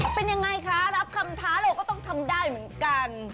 เป็นยังไงคะรับคำท้าเราก็ต้องทำได้เหมือนกัน